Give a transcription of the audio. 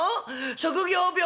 職業病？」。